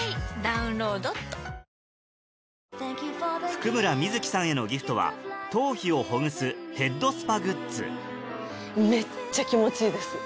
譜久村聖さんへのギフトは頭皮をほぐすヘッドスパグッズめっちゃ気持ちいいです。